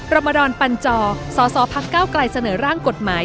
รมดรปันจอสสพักเก้าไกลเสนอร่างกฎหมาย